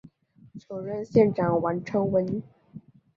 首任县长王成文。